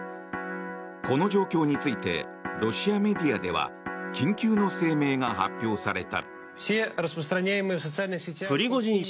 この状況についてロシアメディアでは緊急の声明が発表された。